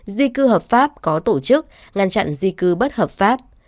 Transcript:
di cư hợp pháp có tổ chức ngăn chặn di cư bất hợp pháp